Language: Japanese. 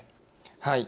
はい。